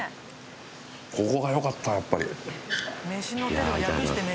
ここがよかったやっぱり。